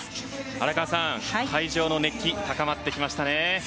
荒川さん、会場の熱気高まってきましたね。